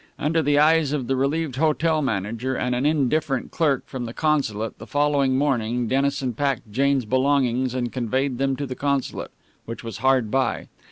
Under the eyes of the relieved hotel manager and an indifferent clerk from the consulate the following morning Dennison packed Jane's belongings and conveyed them to the consulate, which was hard by.